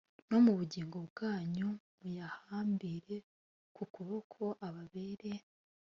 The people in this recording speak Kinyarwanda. no mu bugingo bwanyu muyahambire ku kuboko ababere